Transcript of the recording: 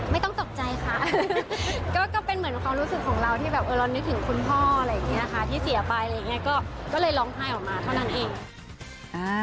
ไม่ต้องตกใจค่ะก็เป็นเหมือนความรู้สึกของเราที่แบบเออเรานึกถึงคุณพ่ออะไรอย่างนี้ค่ะที่เสียไปอะไรอย่างนี้ก็เลยร้องไห้ออกมาเท่านั้นเอง